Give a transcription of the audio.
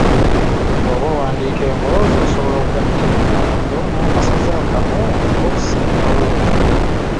Bw’oba owandiika emboozi, osobola okugatta ebigambo n’akasaze akamu oba okusingawo.